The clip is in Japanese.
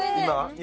今？